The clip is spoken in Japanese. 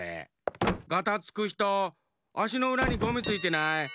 ガタつくひとあしのうらにゴミついてない？